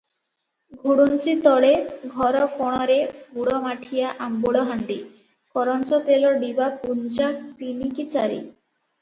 ଘୁଡୁଞ୍ଚି ତଳେ, ଘରକୋଣରେ ଗୁଡ଼ମାଠିଆ ଆମ୍ବୁଲ ହାଣ୍ତି, କରଞ୍ଜତେଲ ଡିବା ପୁଞ୍ଜା ତିନି କି ଚାରି ।